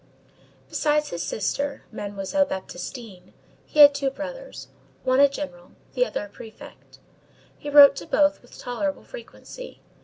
Besides his sister, Mademoiselle Baptistine, he had two brothers, one a general, the other a prefect. He wrote to both with tolerable frequency.